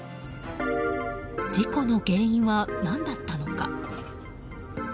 事故の原因は何だったのか。